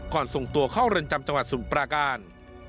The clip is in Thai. ส่งตัวเข้าเรือนจำจังหวัดสมุทรปราการ